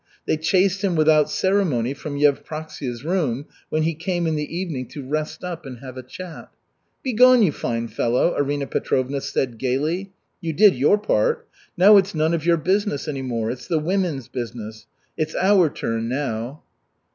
They chased him without ceremony from Yevpraksia's room when he came in the evening to rest up and have a chat. "Be gone, you fine fellow!" Arina Petrovna said gaily. "You did your part. Now it's none of your business any more, it's the women's business. It's our turn now."